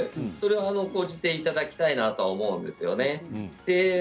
それを講じていただきたいと思うんですよね。